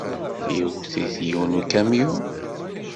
Iwet-it yiwen n ukamyun.